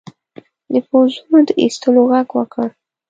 د پوځونو د ایستلو ږغ وکړ.